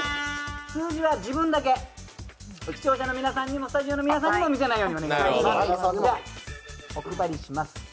数字は自分だけ、視聴者の皆さんにもスタジオの皆さんにも見せないようにお願いします。